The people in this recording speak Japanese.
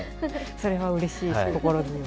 それはうれしいし心強い。